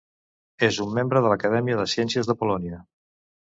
És un membre de l'Acadèmia de Ciències de Polònia.